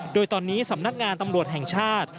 โดยตอนนี้สำนักงานตำรวจแห่งชาติ